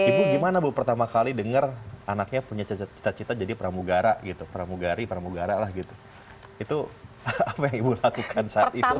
ibu gimana bu pertama kali dengar anaknya punya cita cita jadi pramugara gitu pramugari pramugara lah gitu itu apa yang ibu lakukan saat itu